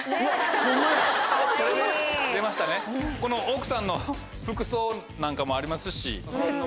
この奥さんの服装なんかもありますし。